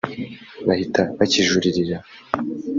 bahita bakijuririra